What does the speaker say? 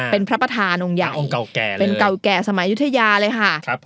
เป็นพระประธานองค์ใหญ่เป็นเก่าแก่สมัยยุธยาเลยค่ะ